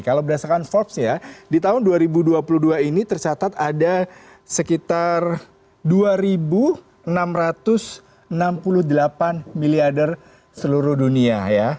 kalau berdasarkan forbes ya di tahun dua ribu dua puluh dua ini tercatat ada sekitar dua enam ratus enam puluh delapan miliarder seluruh dunia